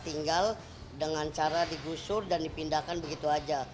tinggal dengan cara digusur dan dipindahkan begitu saja